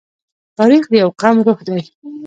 تاریخ د یوه قوم روح دی.